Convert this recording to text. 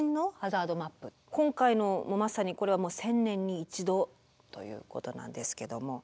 今回のまさにこれは１０００年に１度ということなんですけども。